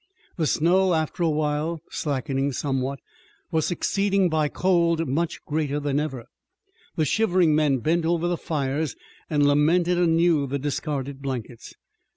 The snow, after a while, slackening somewhat, was succeeded by cold much greater than ever. The shivering men bent over the fires and lamented anew the discarded blankets.